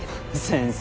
先生